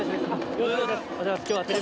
よろしくお願いします。